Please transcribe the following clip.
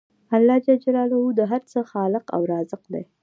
الله ج د هر څه خالق او رازق دی